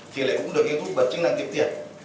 thì lại cũng được youtube bật chứng năng kiếm tiền